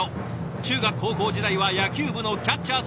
中学高校時代は野球部のキャッチャーとして活躍。